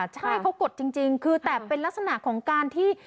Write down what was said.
ใช่เขากดจริงคือแต่เป็นลักษณะของการที่